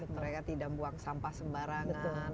mereka tidak buang sampah sembarangan